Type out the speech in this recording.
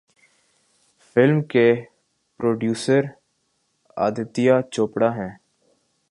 Film کے producer Aditya Chopra ہیں۔